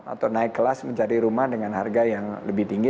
atau naik kelas menjadi rumah dengan harga yang lebih tinggi